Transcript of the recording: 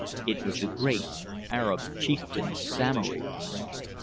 It was the great Arab chieftain Samory!